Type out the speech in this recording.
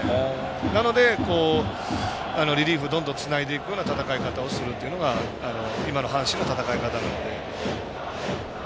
なので、リリーフをどんどんつないでいくような戦い方をするっていうのが今の阪神の戦い方なので。